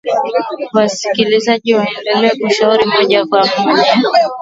Wasikilizaji waendelea kushiriki moja kwa moja